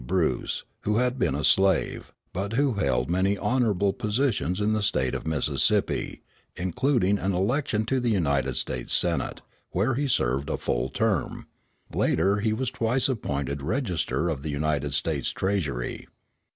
Bruce, who had been a slave, but who held many honourable positions in the State of Mississippi, including an election to the United States Senate, where he served a full term; later he was twice appointed Register of the United States Treasury.